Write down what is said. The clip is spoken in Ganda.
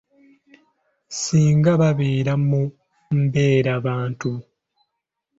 Singa babeera mu mbeerabantu.